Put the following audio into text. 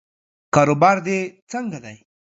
کاروبار دې څنګه دی؟